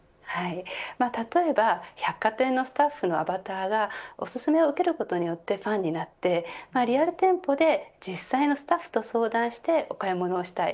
例えば百貨店のスタッフのアバターがおすすめを受けることでファンになってリアル店舗で実際のスタッフと相談してお買い物をしたい